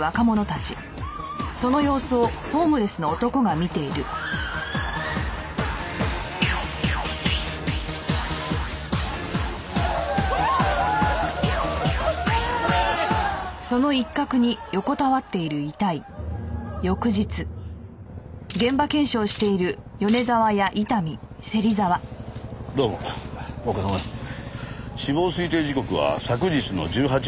死亡推定時刻は昨日の１８時から２０時頃。